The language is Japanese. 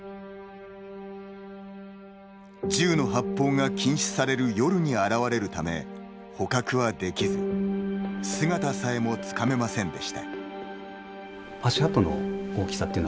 銃の発砲が禁止される夜に現れるため、捕獲はできず姿さえもつかめませんでした。